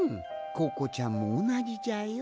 ココちゃんもおなじじゃよ。